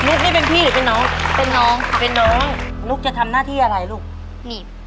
นี่เป็นพี่หรือเป็นน้องเป็นน้องเป็นน้องนุ๊กจะทำหน้าที่อะไรลูกนี่